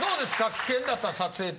危険だった撮影って。